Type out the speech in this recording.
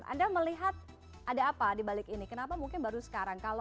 anda melihat ada apa dibalik ini kenapa mungkin baru sekarang